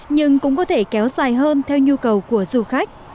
nhưng cũng có thể kéo dài hơn theo nhu cầu của du khách